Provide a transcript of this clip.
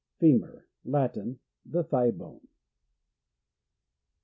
Femur. — Latin. The thigh bone.